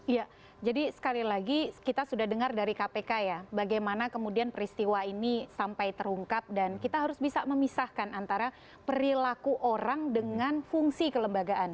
ya jadi sekali lagi kita sudah dengar dari kpk ya bagaimana kemudian peristiwa ini sampai terungkap dan kita harus bisa memisahkan antara perilaku orang dengan fungsi kelembagaan